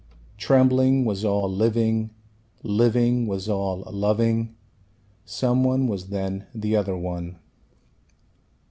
Trembling was all living, living was all loving, some one was then the other one.